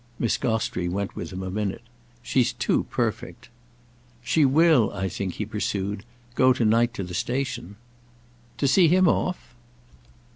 Miss Gostrey went with him a minute. "She's too perfect!" "She will, I think," he pursued, "go to night to the station." "To see him off?"